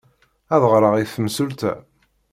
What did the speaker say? Ad ɣreɣ i temsulta.